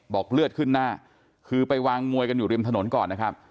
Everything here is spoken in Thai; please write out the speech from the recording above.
บอกเลือดขึ้นหน้าคือไปวางมวยกันอยู่ริมถนนก่อนนะครับ